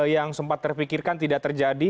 yang sempat terpikirkan tidak terjadi